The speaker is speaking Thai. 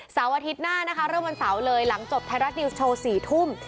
อาทิตย์หน้านะคะเริ่มวันเสาร์เลยหลังจบไทยรัฐนิวส์โชว์๔ทุ่ม